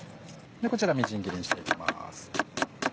こちらみじん切りにしてきます。